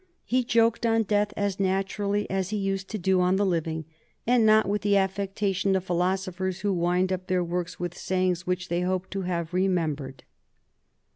He joked on death as naturally as he used to do on the living, and not with the affectation of philosophers who wind up their works with sayings which they hope to have remembered."